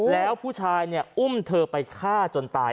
แล้วผู้ชายเนี่ยอุ้มเธอไปฆ่าจนตาย